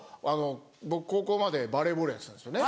僕高校までバレーボールやってたんですよね。